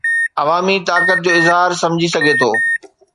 عوامي طاقت جو اظهار سمجهي سگهجي ٿو